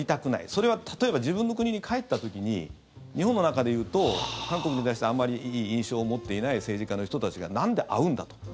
それは例えば自分の国に帰った時に日本の中で言うと韓国に対してあまりいい印象を持っていない政治家の人たちがなんで会うんだと。